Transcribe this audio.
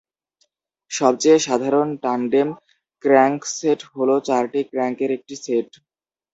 সবচেয়ে সাধারণ টান্ডেম ক্র্যাঙ্কসেট হল চারটি ক্র্যাঙ্কের একটি সেট।